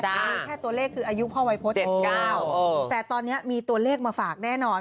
มีแค่ตัวเลขคืออายุพ่อวัยพฤษ๑๙แต่ตอนนี้มีตัวเลขมาฝากแน่นอน